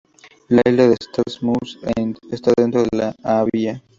La isla de East Mouse está dentro de la bahía.